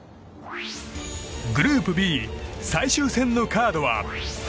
グループＢ最終戦のカードは。